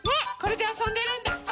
これであそんでるんだ。